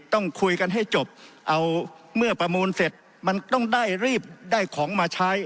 ต้องคุยกันให้จบเอาเมื่อประมูลเสร็จมันต้องได้รีบได้ของมาใช้